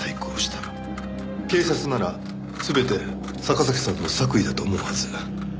警察なら全て坂崎さんの作為だと思うはず。